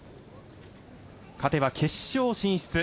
勝てば決勝進出。